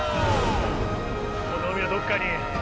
この海のどっかに。